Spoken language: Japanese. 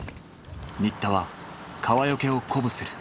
新田は川除を鼓舞する。